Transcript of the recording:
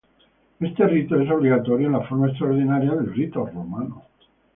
Este rito es obligatorio en la forma extraordinaria del rito romano.